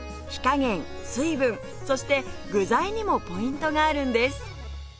火加減水分そして具材にもポイントがあるんです